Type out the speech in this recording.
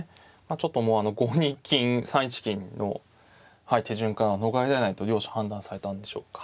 ちょっともう５二金３一金の手順から逃れられないと両者判断されたんでしょうか。